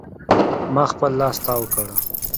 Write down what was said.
ما خپل لاس تاو کړ.